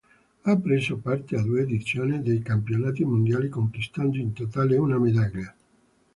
Ha preso parte a due edizioni dei campionati mondiali conquistando in totale una medaglia.